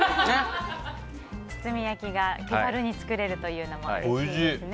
包み焼きが気軽に作れるというのもうれしいですね。